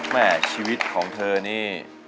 แม่ชีวิตของเธอนี่